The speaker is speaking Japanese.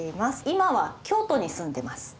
今は京都に住んでます。